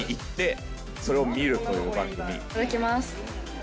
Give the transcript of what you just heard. いただきます。